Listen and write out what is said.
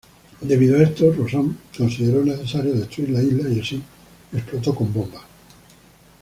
Debido a esto, Roxxon consideró necesario destruir la isla y así explotó con bombas.